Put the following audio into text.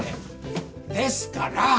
ですから！